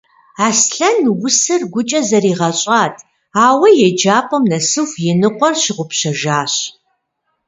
Аслъэн усэр гукӏэ зэригъэщӏат, ауэ еджапӏэм нэсыху и ныкъуэр щыгъупщэжащ.